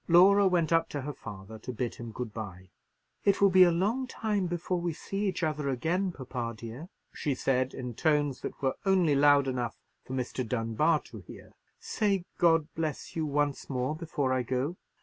Laura went up to her father to bid him good bye. "It will be a long time before we see each other again, papa dear," she said, in tones that were only loud enough for Mr. Dunbar to hear; "say 'God bless you!' once more before I go."